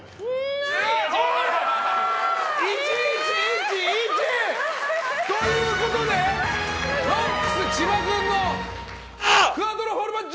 １、１、１、１。ということでロックス、千葉君のクアトロフォルマッジョ！